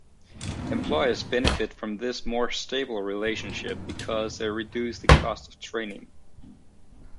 Employers benefit from this more stable relationship because they reduce the cost of training.